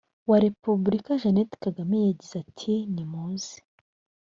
wa repubulika jeannette kagame yagize ati nimuze